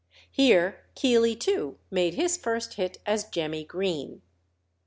Here Keely too made his first hit as Jemmy Green.